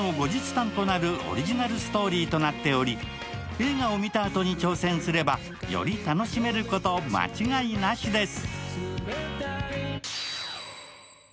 映画を見たあとに挑戦すればより楽しめること間違いなしです。